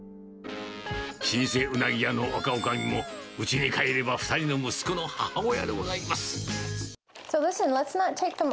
老舗うなぎ屋の若おかみもうちに帰れば、２人の息子の母親でございます。